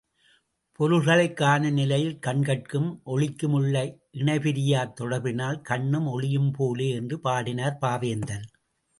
பொருள்களைக் காணும் நிலையில் கண்கட்கும் ஒளிக்கும் உள்ள இணைபிரியாத் தொடர்பினால், கண்ணும் ஒளியும் போலே என்று பாடினார் பாவேந்தர்.